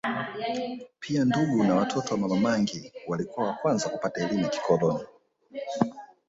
Pia ndugu na watoto wa Ma mangi walikuwa wa kwanza kupata elimu ya kikoloni